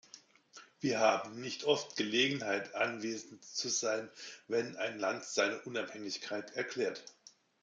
Wir haben nicht oft Gelegenheit, anwesend zu sein, wenn ein Land seine Unabhängigkeit erklärt.